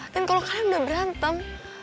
dan kalau kalian udah berantem